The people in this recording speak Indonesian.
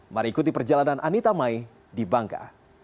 mari ikuti perjalanan anita mai di bangka